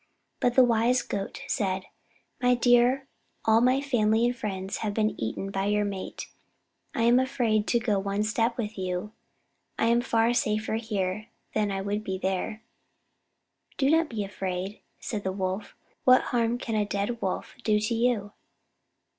But the wise Goat said: "My dear, all my family and friends have been eaten by your mate I am afraid to go one step with you. I am far safer here than I would be there." "Do not be afraid," said the Wolf. "What harm can a dead Wolf do to you?"